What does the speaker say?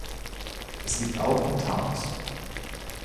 Es liegt auch in Taos.